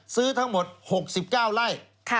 ซื้อทั้งหมด๖๙ไร่